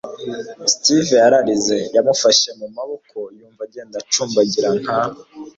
steve yararize. yamufashe mu maboko yumva agenda acumbagira nka